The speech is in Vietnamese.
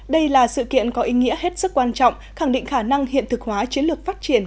đây là sự kiện có ý nghĩa hết sức quan trọng khẳng định khả năng hiện thực hóa chiến lược phát triển